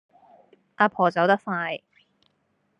呀婆走得快